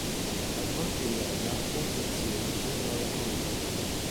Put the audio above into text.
Alla morte di Anna, Montpensier tornò alla corona.